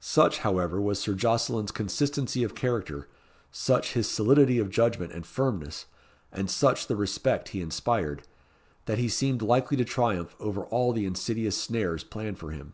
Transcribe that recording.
Such, however, was Sir Jocelyn's consistency of character, such his solidity of judgment and firmness, and such the respect he inspired, that he seemed likely to triumph over all the insidious snares planned for him.